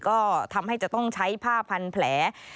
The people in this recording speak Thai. ก็ทำให้จะต้องใช้ผ้าพันแผล